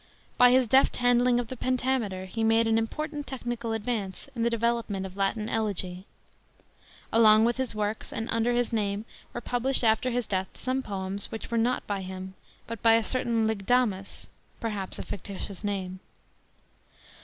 By his deft handling of the pentameter he made an important technical advance in the development of Latin Elegy. Along with his works and under his name were published after his death some poems, which were not by him, but by a certain Lygdamus (perhaps a fictitious name).